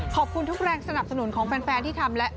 ขอบคุณทุกแรงสนับสนุนของแฟนที่ทำและ